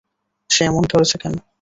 সে এমন করছে কেন?